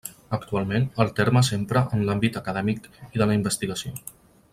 Actualment, el terme s'empra en l'àmbit acadèmic i de la investigació.